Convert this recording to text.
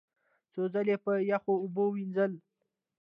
څو ځله په یخو اوبو ومینځله،